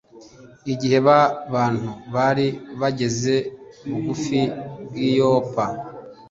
Igihe ba bantu bari bageze bugufi bw i yopa